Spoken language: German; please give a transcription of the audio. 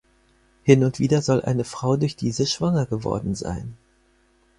Hin und wieder soll eine Frau durch diese schwanger geworden sein.